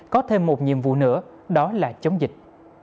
có thêm một nhiệm vụ nữa đó là chống dịch